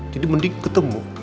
jadi mending ketemu